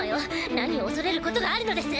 何を恐れることがあるのです？